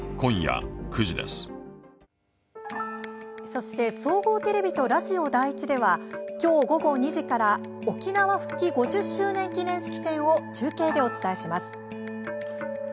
そして総合テレビとラジオ第１ではきょう午後２時から「沖縄復帰５０周年記念式典」を中継でお伝えします。